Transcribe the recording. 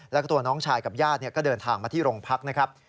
แล้วก็ตัวน้องชายกับญาติก็เดินทางมาที่โรงพักนะครับ